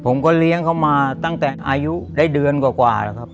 ผมก็เลี้ยงเขามาตั้งแต่อายุได้เดือนกว่าแล้วครับ